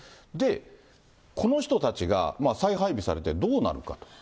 で、この人たちが再配備されて、どうなるか。